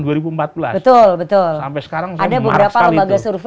sampai sekarang saya memaham sekali itu